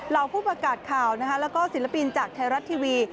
ผู้ประกาศข่าวแล้วก็ศิลปินจากไทยรัฐทีวี